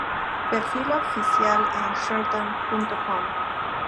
Perfil oficial en Sherdog.com